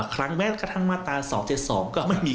ครั้งแม้กระทั่งมาตรา๒๗๒ก็ไม่มี